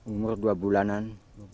umur dua bulanan